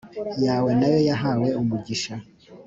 yawe na yo yahawe umugisha